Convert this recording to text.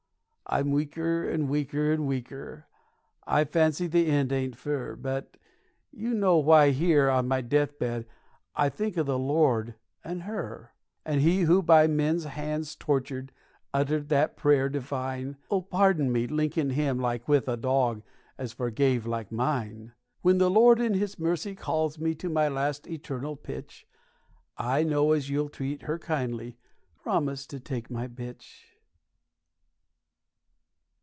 I'm weaker, an' weaker, an' weaker; I fancy the end ain't fur, But you know why here on my deathbed I think o' the Lord and her, And he who, by men's hands tortured, uttered that prayer divine, 'Ull pardon me linkin' him like with a dawg as forgave like mine. When the Lord in his mercy calls me to my last eternal pitch, I know as you'll treat her kindly promise to take my bitch!